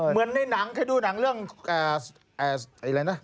เหมือนในหนังเคยดูหนังเรื่องอะไรนะ